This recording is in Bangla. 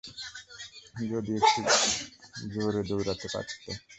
যদি একটু জোরে দৌড়াতে পারতে!